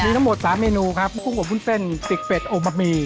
มีทั้งหมด๓เมนูครับคู่กับวุ้นเส้นติดเป็ดโอมะหมี่